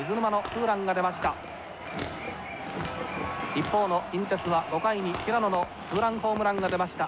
一方の近鉄は５回に平野のツーランホームランが出ました。